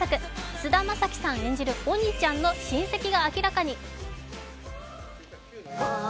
菅田将暉さん演じる鬼ちゃんの親戚が明らかに。